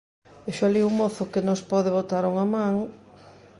Vexo alí un mozo que nos pode botar unha man...